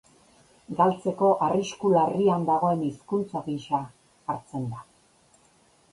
Galtzeko arrisku larrian dagoen hizkuntza gisa hartzen da.